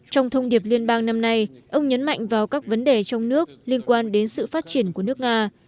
trong thông điệp liên bang năm nay ông nhấn mạnh vào các vấn đề trong nước liên quan đến sự phát triển của nước nga